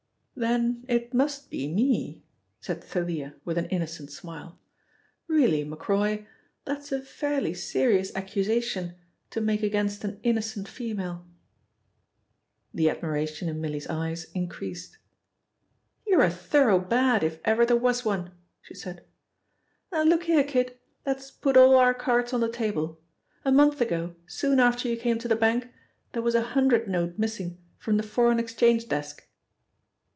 "Then it must be me," said Thalia with an innocent smile. "Really, Macroy, that's a fairly serious accusation to make against an innocent female." The admiration in Milly's eyes increased. "You're a Thorough Bad, if ever there was one!" she said. "Now, look here, kid, let's put all our cards on the table. A month ago, soon after you came to the bank, there was a hundred note missing from the Foreign Exchange desk."